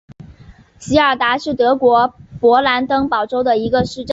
席尔达是德国勃兰登堡州的一个市镇。